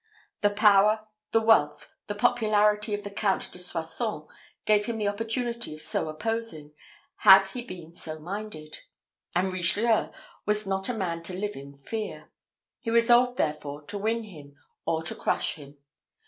The power, the wealth, the popularity of the Count de Soissons, gave him the opportunity of so opposing, had he been so minded; and Richelieu was not a man to live in fear. He resolved, therefore, to win him, or to crush him.